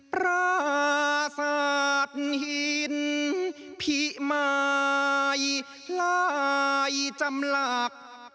ปราศาสตร์หินพิมายลายจำหลัก